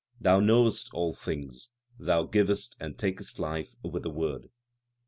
Thou knowest all things ; Thou givest and takest life with a word.